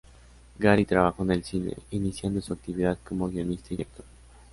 Gary trabajó en el cine, iniciando su actividad como guionista y director.